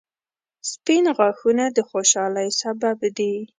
• سپین غاښونه د خوشحالۍ سبب دي